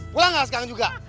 pulang gak sekarang juga